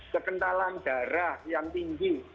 kekentalan darah yang tinggi